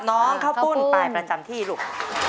น้องข้าวปุ้นไปประจำที่ลูก